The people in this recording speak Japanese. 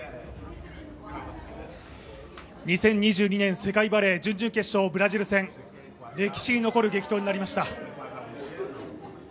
２０２２年世界バレー、準々決勝ブラジル戦、歴史に残る激闘になりました。